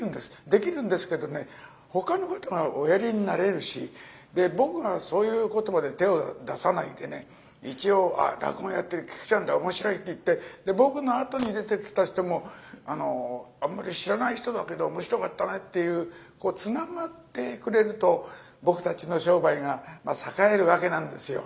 できるんですけどねほかの方がおやりになれるし僕がそういうことまで手を出さないで一応落語やってるキクちゃんって面白いっていって僕のあとに出てきた人もあんまり知らない人だけど面白かったねっていうこうつながってくれると僕たちの商売が栄えるわけなんですよ。